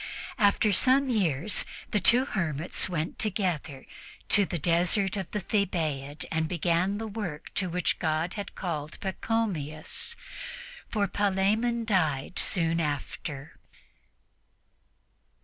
After some years, the two hermits went together to the desert of the Thebaid and began the work to which God had called Pachomius, for Palemon died soon after.